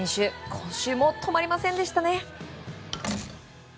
今週も止まりませんでしたね。